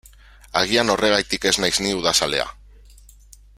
Agian horregatik ez naiz ni udazalea.